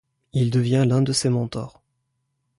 Il devient l'un de ses mentors.